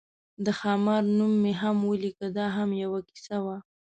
د خامار نوم مې هم ولیکه، دا هم یوه کیسه وه.